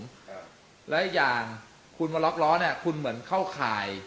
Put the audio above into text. ครับและอีกอย่างคุณมาล็อกล้อเนี้ยคุณเหมือนเข้าข่าย